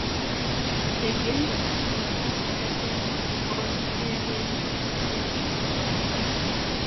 The games were held at the Olympiahalle Innsbruck.